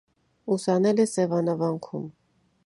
Ուսանել է Սևանավանքում։